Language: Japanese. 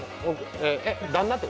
えっ？